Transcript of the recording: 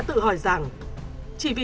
tự hỏi rằng chỉ vì